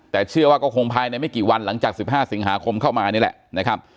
แต่เชื่อว่าก็คงภายในไม่กี่วันหลังจาก๑๕สิงหาคมเข้ามานี่แหละนะครับ